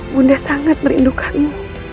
bunda sangat merindukanmu